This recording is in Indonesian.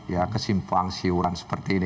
ya kesimpang siuran seperti ini